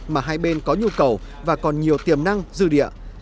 mà hai bên có nhu cầu và còn nhiều tiềm năng dư địa